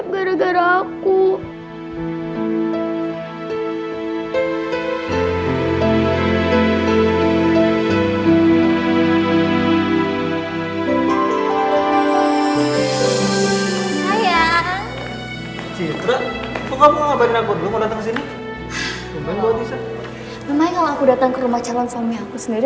lumayan kalau aku dateng ke rumah calon suami aku sendiri